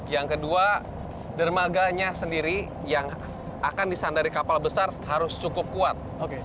yang kedua dermaganya sendiri yang akan disandari kapal besar harus cukup kuat